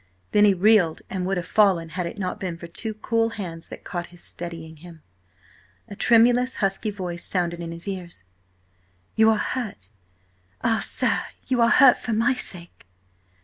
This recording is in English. Then he reeled and would have fallen, had it not been for two cool hands that caught his, steadying him. A tremulous, husky voice sounded in his ears: "You are hurt! Ah, sir, you are hurt for my sake!"